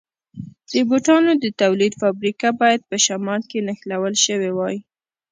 د بوټانو د تولید فابریکه باید په شمال کې نښلول شوې وای.